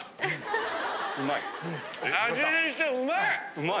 ・うまい？